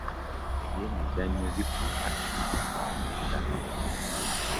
Ebyemizannyo bikuuma emibiri gyaffe nga miramu.